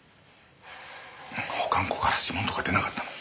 保管庫から指紋とか出なかったの？